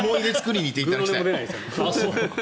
思い出を作りに行っていただきたい。